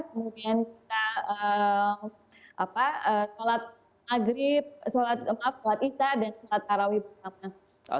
kemudian kita sholat maghrib sholat isya dan sholat tarawih bersama